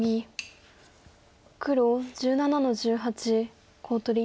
黒１７の十八コウ取り。